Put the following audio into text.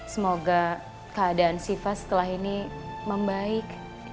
semoga keadaan siva setelah ini membaik